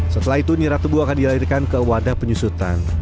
setelah itu nira tebu akan dilahirkan ke wadah penyusutan